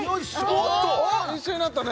あ一緒になったね